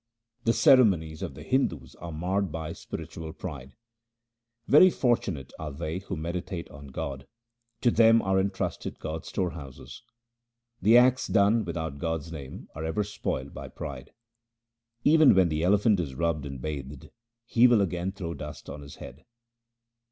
The ceremonies of the Hindus are marred by spiritual pride :— Very fortunate are they who meditate on God ; to them are entrusted God's storehouses. The acts done without God's name are ever spoiled by pride. Even when the elephant is rubbed and bathed, he will again throw dust on his head.